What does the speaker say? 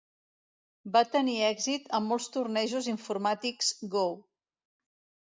Va tenir èxit en molts tornejos informàtics Go.